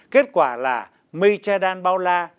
kết quả là mây che đan bao la